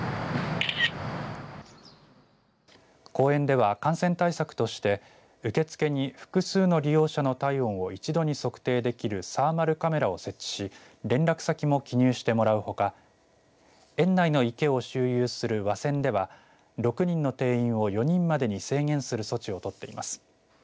公園では感染対策として受付に複数の利用者の体温を一度に測定できるサーマルカメラを設置し連絡先も記入してもらうほか園内の池を周遊する和船では６人の定員を４人までに制限する措置を取っています。